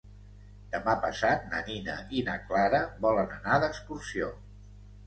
Demà passat na Nina i na Clara volen anar d'excursió.